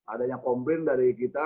adanya komplain dari kita